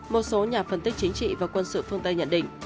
một số nhà phân tích chính trị và quân sự phương tây nhận định